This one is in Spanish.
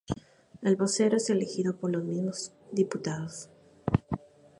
El Vocero es elegido por los mismos diputados.